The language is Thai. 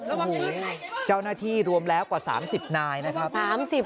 โอ้โหเจ้าหน้าที่รวมแล้วกว่า๓๐นายนะครับ